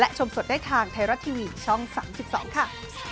ชมสดได้ทางไทยรัฐทีวีช่อง๓๒ค่ะ